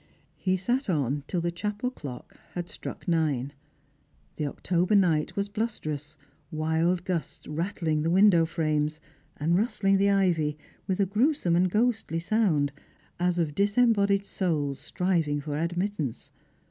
_ He sat on till the chapel clock had struck nine. The October night was blusterous, ssild gusts ratthug the window frames, Z2^ iSlrangers and Pilgrims. and rustling the ivy witli a gruesome and gliostly sonnd, as of disembodied souls striving for admittance.